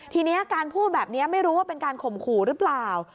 ทีนี้การพูดแบบนี้ไม่รู้ว่าเป็นการข่มขู่หรือเปล่า